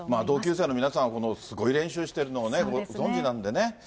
同級生の皆さん、このすごい練習しているのをね、ご存じなんでね。